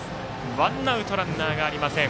ワンアウトランナーがありません。